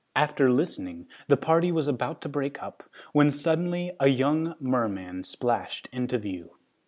After listening, the party was about to break up, when suddenly a young merman splashed into view.